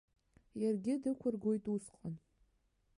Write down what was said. Иаргьы дықәыргоит усҟан.